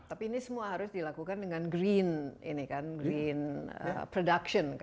tapi ini semua harus dilakukan dengan green production